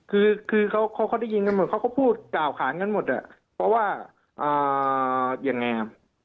คือคือเขาเขาเขาได้ยินกันหมดเขาก็พูดกล่าวขานกันหมดอะเพราะว่าอ่ายังไง